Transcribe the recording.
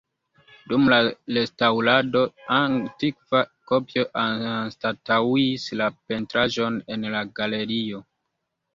Dum la restaŭrado, antikva kopio anstataŭis la pentraĵon en la galerio.